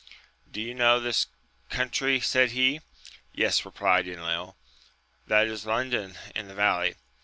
Do you know this country ? said he. Yes, replied Enil; that is London in the valley.